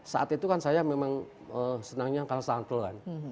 saat itu kan saya memang senangnya kalah sample kan